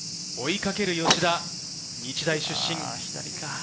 追いかける吉田、日大出身。